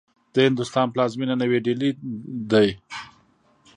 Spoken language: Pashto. د هندوستان پلازمېنه نوې ډيلې دې.